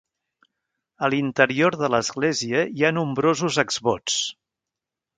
A l'interior de l'església hi ha nombrosos exvots.